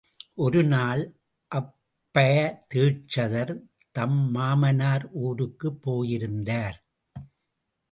ஒருநாள் அப்பைய தீட்சிதர் தம் மாமனார் ஊருக்குப் போய் இருந்தார்.